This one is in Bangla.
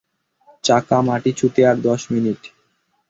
চাকা মাটি ছুঁতে আর দশ মিনিট।